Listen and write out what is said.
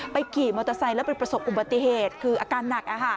ขี่มอเตอร์ไซค์แล้วไปประสบอุบัติเหตุคืออาการหนัก